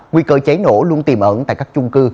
nguy cơ cháy nổ luôn tìm ẩn tại các chung cư